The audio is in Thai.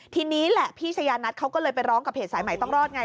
ทีนี้แหละพี่ชายานัทเขาก็เลยไปร้องกับเพจสายใหม่ต้องรอดไง